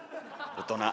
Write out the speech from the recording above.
大人。